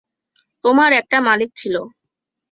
তোমার একটা মালিক ছিল।